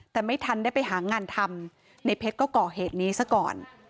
แต่ไม่ทันได้ไปหางานทำในเพชรก็ก่อเหตุนี้ซะก่อน